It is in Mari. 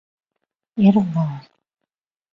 Эрла...